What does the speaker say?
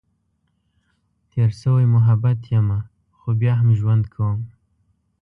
تېر شوی محبت یمه، خو بیا هم ژوند کؤم.